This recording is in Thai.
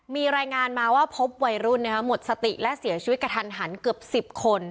มีรายงานมาว่าพบวัยรุ่นหมดสติและเสียชีวิตกระทันหันเกือบ๑๐คน